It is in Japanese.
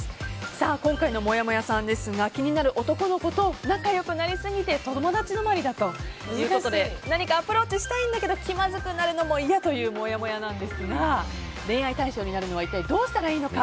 今回のもやもやさんですが気になる男の子と仲良くなりすぎて友達止まりだということで何かアプローチをしたいんだけど気まずくなるものもいやだというもやもやですが恋愛対象になるには一体どうしたらいいのか。